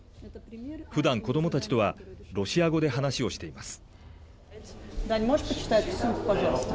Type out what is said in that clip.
ふだん、子どもたちとはロシア語で話をしています。